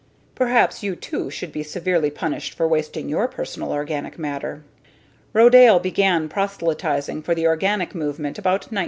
Perhaps you too should be severely punished for wasting your personal organic matter. Rodale began proselytizing for the organic movement about 1942.